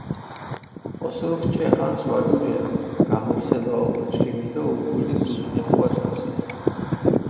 ოსურქ ჭე ხანს ვადუჯერ, გამორსება ოკო ჩქიმი დო უკული დუს მეპკვათუნსია.